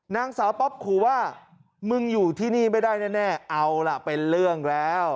นางสาวป๊อปขู่ว่ามึงอยู่ที่นี่ไม่ได้แน่เอาล่ะเป็นเรื่องแล้ว